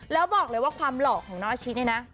แล้วบอกเลยว่าความหล่อของน้องอาชิเนี่ยนะ